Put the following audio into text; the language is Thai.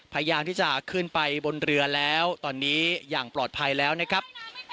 พยายามที่จะขึ้นไปบนเรือแล้วตอนนี้อย่างปลอดภัยแล้วนะครับ